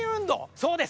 そうです